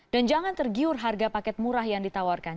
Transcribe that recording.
dan jangan tergiur harga paket murah yang ditawarkan